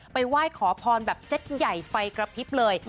ไหว้ขอพรแบบเซ็ตใหญ่ไฟกระพริบเลย